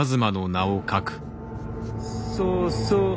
そうそう。